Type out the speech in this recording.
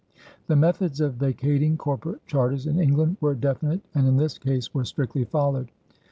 The methods of vacating corporate charters in England were definite and in this case were strictly followed.